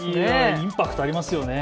インパクトありますよね。